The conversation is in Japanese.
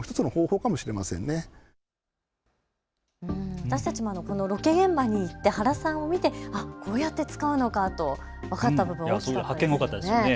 私たちもロケ現場に行って原さんを見て、こうやって使うのかと分かった部分多かったですね。